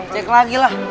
cek lagi lah